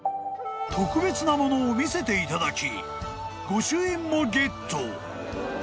［特別なものを見せていただき御朱印もゲット］